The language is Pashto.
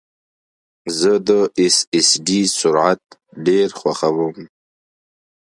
زه د ایس ایس ډي سرعت ډېر خوښوم.